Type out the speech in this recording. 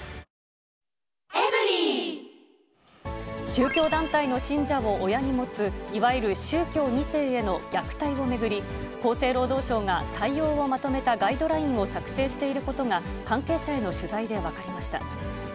宗教団体の信者を親に持ついわゆる宗教２世への虐待を巡り、厚生労働省が対応をまとめたガイドラインを作成していることが、関係者への取材で分かりました。